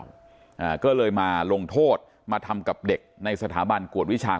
แบบนี้หรือเปล่าก็เลยมาลงโทษมาทำกับเด็กในสถาบันกวดวิชา